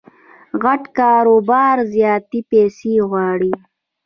غټ کاروبار زیاتي پیسې غواړي.